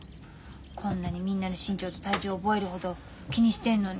こんなにみんなの身長と体重覚えるほど気にしてんのに。